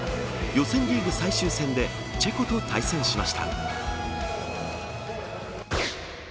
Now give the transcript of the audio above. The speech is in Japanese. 予選リーグ最終戦でチェコと対戦しました。